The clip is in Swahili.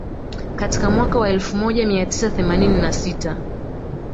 Katika mwaka wa elfu moja mia tisa themanini na sita